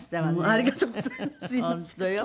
ありがとうございます。